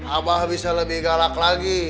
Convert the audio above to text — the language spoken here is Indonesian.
abah bisa lebih galak lagi